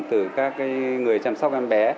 từ các người chăm sóc em bé